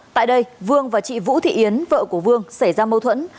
tại đây vương và chị vũ thị yến vợ của vương xảy ra mâu thuẫn